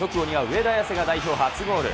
直後には上田綺世が代表初ゴール。